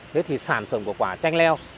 thế thì sản phẩm của quả tranh leo